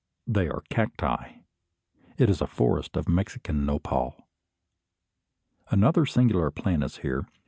They are cacti. It is a forest of the Mexican nopal. Another singular plant is here.